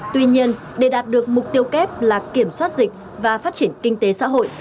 tuy nhiên để đạt được mục tiêu kép là kiểm soát dịch và phát triển kinh tế xã hội